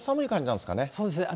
そうですね。